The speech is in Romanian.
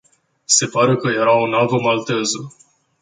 Se pare că era o navă malteză.